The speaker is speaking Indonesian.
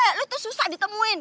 ya lu tuh susah ditemuin